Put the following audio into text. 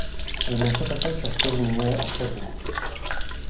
V něm se také často zmiňuje o Chebu.